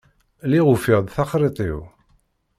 Lliɣ ufiɣ-d taxṛiṭ-iw.